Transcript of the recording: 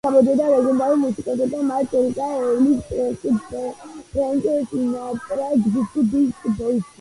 იგი გამოდიოდა ლეგენდარულ მუსიკოსებთან, მათ შორისაა ელვის პრესლი, ფრენკ სინატრა, ჯგუფი ბიჩ ბოისი.